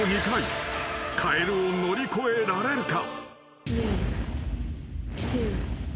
［カエルを乗り越えられるか？］